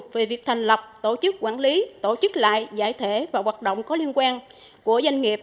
về việc thành lập tổ chức quản lý tổ chức lại giải thể và hoạt động có liên quan của doanh nghiệp